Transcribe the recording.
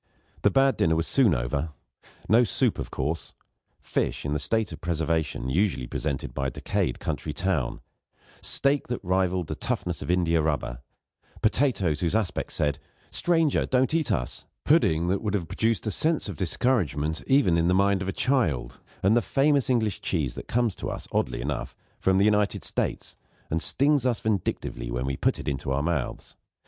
The bad dinner was soon over. No soup, of course; fish, in the state of preservation usually presented by a decayed country town; steak that rivalled the toughness of india rubber; potatoes whose aspect said, "stranger, don't eat us"; pudding that would have produced a sense of discouragement, even in the mind of a child; and the famous English cheese which comes to us, oddly enough, from the United States, and stings us vindictively when we put it into our mouths.